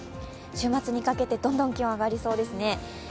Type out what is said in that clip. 週末にかけてどんどん気温が上がりそうですね。